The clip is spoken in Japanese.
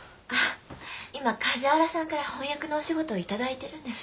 今梶原さんから翻訳のお仕事を頂いてるんです。